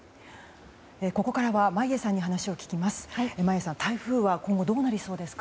ここからは眞家さんに話を聞きます。